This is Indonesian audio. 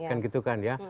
kan gitu kan ya